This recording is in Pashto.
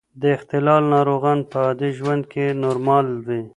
د اختلال ناروغان په عادي ژوند کې نورمال وي.